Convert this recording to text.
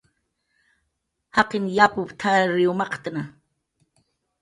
"Jaqin yapup"" t""arir maq""tna"